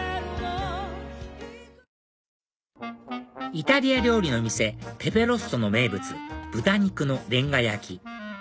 イタリア料理の店ペペロッソの名物豚肉のレンガ焼き